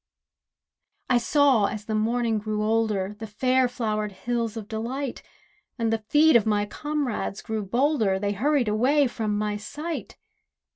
I saw, as the morning grew older, The fair flowered hills of delight; And the feet of my comrades grew bolder, They hurried away from my sight.